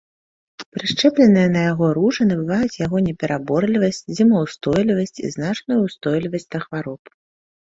Прышчэпленыя на яго ружы набываюць яго непераборлівасць, зімаўстойлівасць і значную ўстойлівасць да хвароб.